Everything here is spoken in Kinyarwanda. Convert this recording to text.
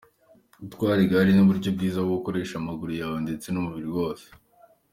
Gutwara igare ni uburyo bwiza bwo gukoresha amaguru yawe ndetse n’umubiri wose.